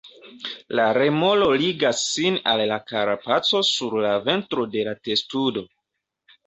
La remoro ligas sin al la karapaco sur la ventro de la testudo.